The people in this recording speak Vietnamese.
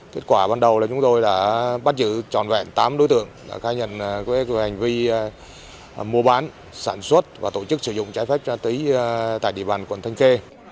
kết quả ban đầu là chúng tôi đã bắt giữ tròn vẹn tám đối tượng khai nhận hành vi mua bán sản xuất và tổ chức sử dụng trái phép trang túy tại địa bàn quận thanh khê